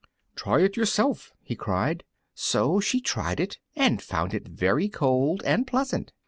"Try it yourself!" he cried. So she tried it and found it very cold and pleasant.